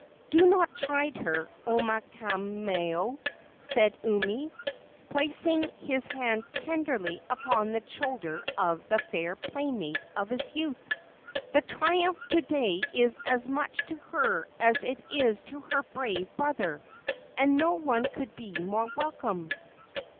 "Do not chide her, Omaukamau," said Umi, placing his hand tenderly upon the shoulder of the fair playmate of his youth. "The triumph of to day is as much to her as it is to her brave brother, and no one could be more welcome."